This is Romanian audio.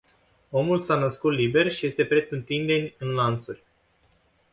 Omul s-a născut liber și este pretutindeni în lanțuri.